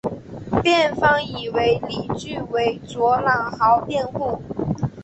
辩方以为理据为卓良豪辩护。